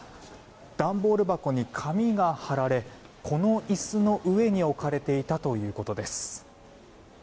段ボール箱に紙が貼られこの椅子の上に置かれていたということです。